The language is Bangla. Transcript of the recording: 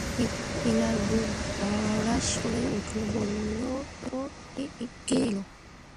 এলার বুক ধড়াস করে উঠল, বললে, কে এল?